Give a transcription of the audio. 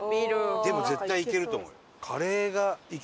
でも絶対いけると思うよ。